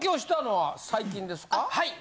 はい。